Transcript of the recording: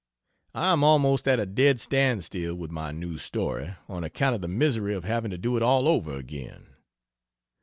I am almost at a dead stand still with my new story, on account of the misery of having to do it all over again.